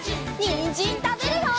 にんじんたべるよ！